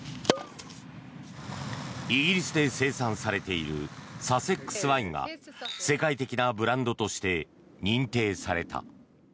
イギリスで生産されているサセックス・ワインが世界的なブランドとして認定された。